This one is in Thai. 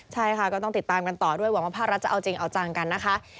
ใช่ค่ะก็ต้องติดตามกันต่อด้วยหวังว่าภาครัฐจะเอาจริงเอาจังกันนะคะ